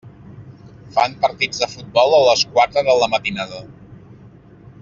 Fan partits de futbol a les quatre de la matinada.